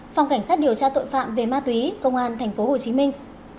hai phòng cảnh sát điều tra tội phạm về ma túy công an tp hồ chí minh